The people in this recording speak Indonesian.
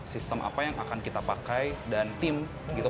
sistem apa yang akan kita pakai dan tim gitu